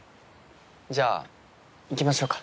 じゃあ行きましょうか。